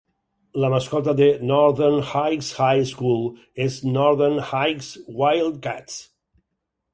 La mascota de Northern Heights High School és Northern Heights Wildcats.